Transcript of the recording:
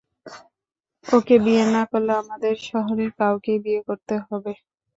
ওকে বিয়ে না করলে আমাদের শহরের কাউকেই বিয়ে করতে হবে।